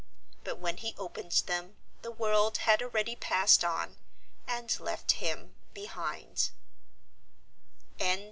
But when he opened them the world had already passed on, and left him behind.